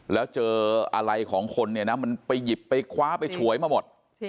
แล้วเจออะไรของคนเนี่ยนะมันไปหยิบไปคว้าไปฉวยมาหมด